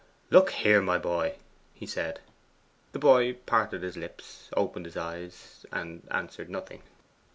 'Look here, my boy,' he said. The boy parted his lips, opened his eyes, and answered nothing.